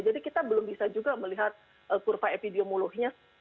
jadi kita belum bisa juga melihat kurva epidemiologinya